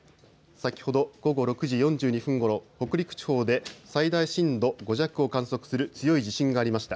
先ほど午後６時４２分ごろ、北陸地方で最大震度５弱を観測する強い地震がありました。